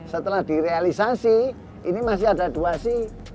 setelah direalisasi ini masih ada dua sih